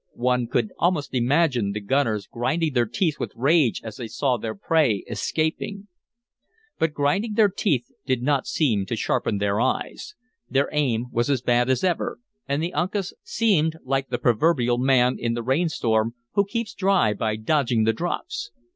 One could almost imagine the gunners grinding their teeth with rage as they saw their prey escaping. But grinding their teeth did not seem to sharpen their eyes. Their aim was as bad as ever, and the Uncas seemed like the proverbial man in the rainstorm who keeps dry by "dodging the drops."